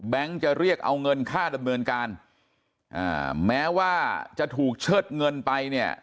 จะเรียกเอาเงินค่าดำเนินการอ่าแม้ว่าจะถูกเชิดเงินไปเนี่ย